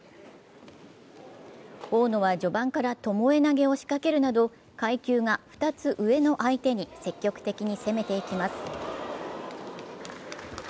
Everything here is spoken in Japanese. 大野は序盤から巴投げを仕掛けるなど階級が２つ上の相手に積極的に攻めていきます。